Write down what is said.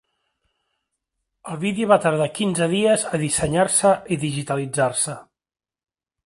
El vídeo va tardar quinze dies a dissenyar-se i digitalitzar-se.